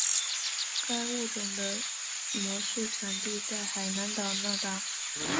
该物种的模式产地在海南岛那大。